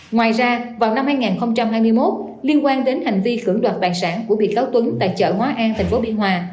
ngoài ra vào năm hai nghìn hai mươi một liên quan đến hành vi cưỡng đoạt tài sản của bị cáo tuấn tại chợ hóa an tp biên hòa